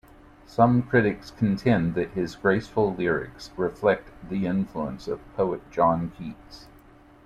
Some critics contend that his graceful lyrics reflect the influence of poet John Keats.